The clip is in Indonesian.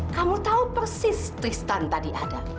kamu tahu persis tristan tadi ada